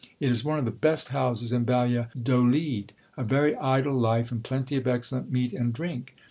It is one of the best houses in Valladolid. A very idle life, and plenty of excel lent meat and drink.